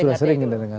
sudah sering kita dengar